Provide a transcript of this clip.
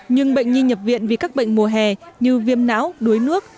nhưng bệnh nhi nhập viện vì các bệnh mùa hè như viêm não đuối nước